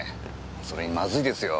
それにまずいですよ。